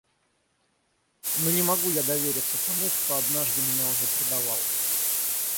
Ну не могу я довериться тому, кто однажды меня уже предавал.